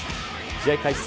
試合開始